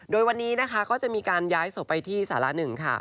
โดยวันนี้นะคะก็จะมีการย้ายศพไปที่สาระหนึ่งค่ะ